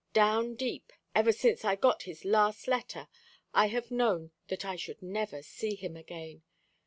Down deep, ever since I got his last letter, I have known that I should never see him again.